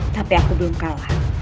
tapi aku belum kalah